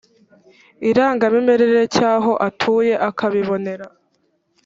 irangamimerere cy aho atuye akabibonera